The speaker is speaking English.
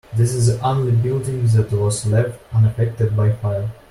This is the only building that was left unaffected by fire.